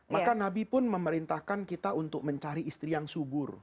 maka nabi pun memerintahkan kita untuk mencari istri yang subur